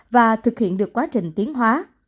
và thực hiện được quá trình tiến hóa